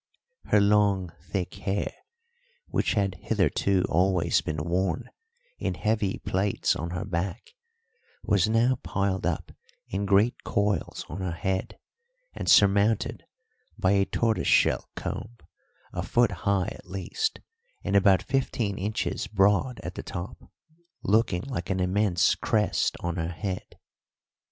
Her long, thick hair, which had hitherto always been worn in heavy plaits on her back, was now piled up in great coils on her head and surmounted by a tortoiseshell comb a foot high at least, and about fifteen inches broad at the top, looking like an immense crest on her head.